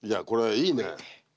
いいね。